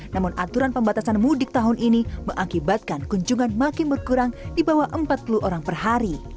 namun aturan pembatasan mudik tahun ini mengakibatkan kunjungan makin berkurang di bawah empat puluh orang per hari